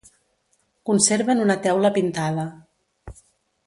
Conserven una teula pintada.